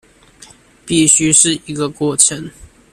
必須是一個過程